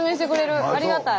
ありがたい。